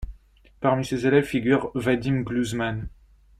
Parmi ses élèves figurent Vadim Gluzman.